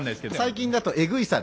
最近だとエグい猿。